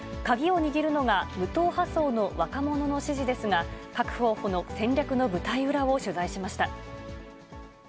鍵を握るのが、無党派層の若者の支持ですが、各候補の戦略の舞台裏を取材しました。